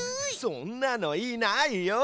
そんなのいないよ。